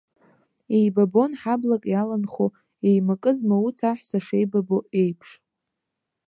Еибабон, ҳаблак иаланхо, еимакы змауц аҳәса шеибабо еиԥш.